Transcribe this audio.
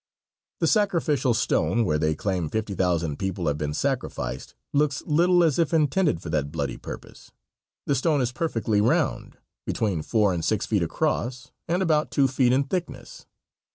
The sacrificial stone, where they claim fifty thousand people have been sacrificed, looks little as if intended for that bloody purpose. The stone is perfectly round, between four and six feet across and about two feet in thickness.